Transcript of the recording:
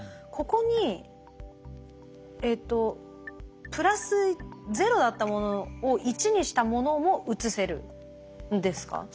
ここにえっと「＋０」だったものを「１」にしたものも移せるんですか？